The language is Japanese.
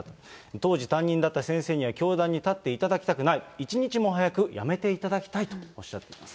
当時、担任だった先生には教壇に立っていただきたくない、一日も早く辞めていただきたいとおっしゃっています。